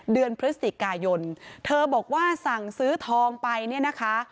เดือนพฤศจิกายนเธอบอกว่าสั่งซื้อทองไปเนี่ยนะคะ